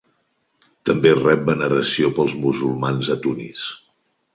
També rep veneració pels musulmans a Tunis.